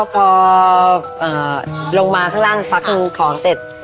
ก็พอลงมาข้างล่างพักขึ้นของเต็ด